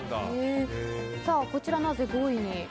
こちらなぜ５位に？